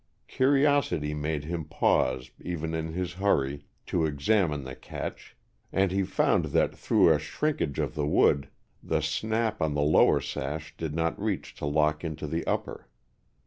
Curiosity made him pause, even in his hurry, to examine the catch, and he found that, through a shrinkage of the wood, the snap on the lower sash did not reach to lock into the upper.